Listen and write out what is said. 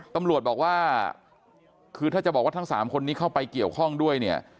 ตำรวจบอกว่าคือถ้าจะบอกว่าทั้ง๓คนนี้เข้าไปเกี่ยวข้องด้วยเนี่ย